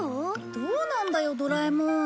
どうなんだよドラえもん。